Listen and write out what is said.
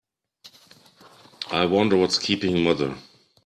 I wonder what's keeping mother?